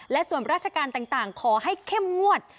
และส่วนราชการต่างขอให้เข้มงวด